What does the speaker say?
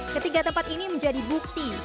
ketiga tempat ini menjadi bukti